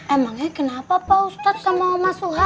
emangnya kenapa pak ustadz sama oma suha